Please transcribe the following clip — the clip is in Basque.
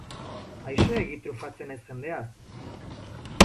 Aiseegi trufatzen haiz jendeaz.